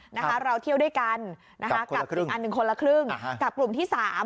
นะคะเราเที่ยวด้วยกันนะคะกับอีกอันหนึ่งคนละครึ่งกับกลุ่มที่สาม